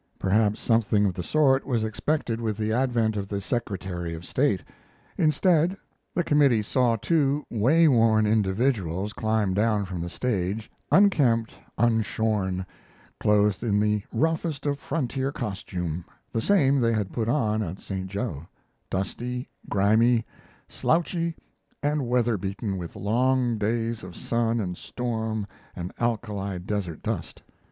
Perhaps something of the sort was expected with the advent of the secretary of state. Instead, the committee saw two way worn individuals climb down from the stage, unkempt, unshorn clothed in the roughest of frontier costume, the same they had put on at St. Jo dusty, grimy, slouchy, and weather beaten with long days of sun and storm and alkali desert dust.